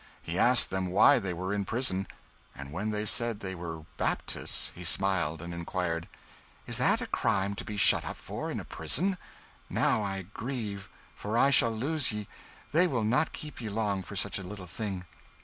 He asked them why they were in prison, and when they said they were Baptists, he smiled, and inquired "Is that a crime to be shut up for in a prison? Now I grieve, for I shall lose ye they will not keep ye long for such a little thing."